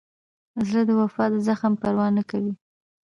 زړه د وفا د زخم پروا نه کوي.